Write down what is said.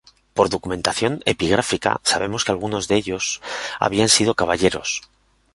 Por documentación epigráfica sabemos que algunos de ellos habían sido caballeros.